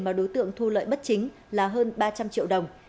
mà đối tượng thu lợi bất chính là hơn ba trăm linh triệu đồng